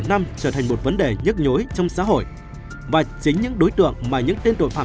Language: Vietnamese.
năm trở thành một vấn đề nhức nhối trong xã hội và chính những đối tượng mà những tên tội phạm